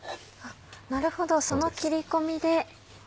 なるほどその切り込みで。